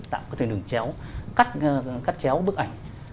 tạo cái đường chéo cắt chéo bức ảnh